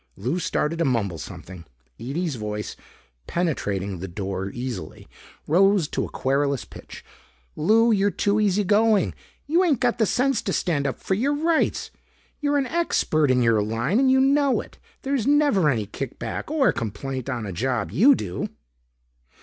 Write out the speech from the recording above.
Lou started to mumble something. Ede's voice, penetrating the door easily, rose to a querulous pitch. "Lou, you're too easygoing! You ain't got the sense to stand up for your rights. You're an expert in your line and you know it. There's never any kick back or complaint on a job you do."